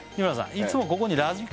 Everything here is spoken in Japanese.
いつもここにラジカセ